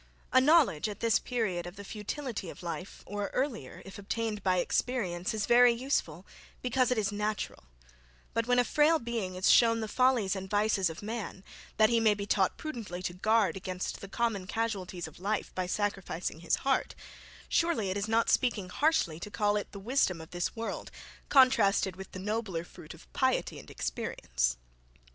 A knowledge at this period of the futility of life, or earlier, if obtained by experience, is very useful, because it is natural; but when a frail being is shown the follies and vices of man, that he may be taught prudently to guard against the common casualties of life by sacrificing his heart surely it is not speaking harshly to call it the wisdom of this world, contrasted with the nobler fruit of piety and experience.